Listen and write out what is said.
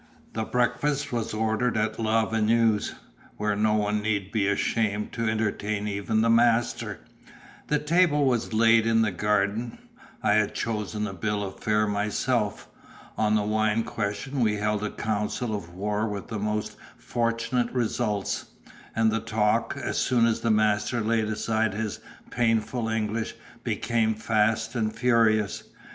The breakfast was ordered at Lavenue's, where no one need be ashamed to entertain even the master; the table was laid in the garden; I had chosen the bill of fare myself; on the wine question we held a council of war with the most fortunate results; and the talk, as soon as the master laid aside his painful English, became fast and furious.